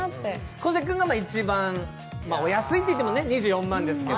小関君が一番お安いっていっても２４万ですけど。